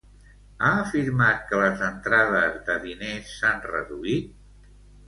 Ha afirmat que les entrades de diners s'han reduït?